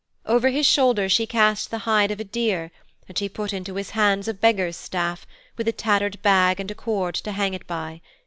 Over his shoulder she cast the hide of a deer, and she put into his hands a beggar's staff, with a tattered bag and a cord to hang it by.